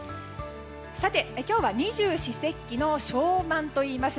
今日は二十四節気の小満といいます。